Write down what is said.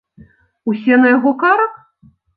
Усё на яго карак?